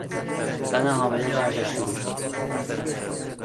زن حامله دردش شروع شد.